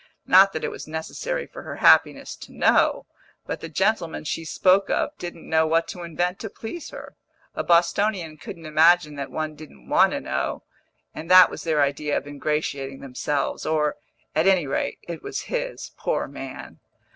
Not that it was necessary for her happiness to know; but the gentleman she spoke of didn't know what to invent to please her. A Bostonian couldn't imagine that one didn't want to know, and that was their idea of ingratiating themselves, or, at any rate, it was his, poor man.